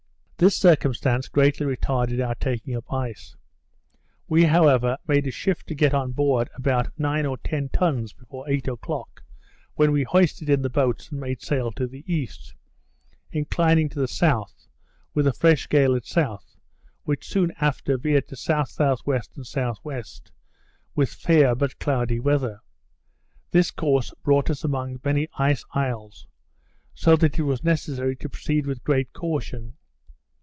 This circumstance greatly retarded our taking up ice. We, however, made a shift to get on board about nine or ten tons before eight o'clock, when we hoisted in the boats and made sail to the east, inclining to the south, with a fresh gale at south; which, soon after, veered to S.S.W. and S.W., with fair but cloudy weather. This course brought us among many ice isles; so that it was necessary to proceed with great caution.